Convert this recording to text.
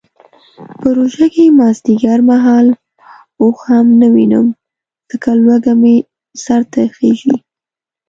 په روژه کې مازدیګر مهال اوښ هم نه وینم ځکه لوږه مې سرته خیژي.